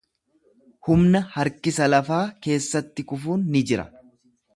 Humna harkisa lafaa keessatti kufuun ni jira.